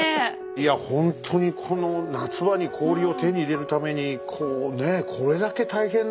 いやほんとにこの夏場に氷を手に入れるためにこうねっこれだけ大変な思いをね。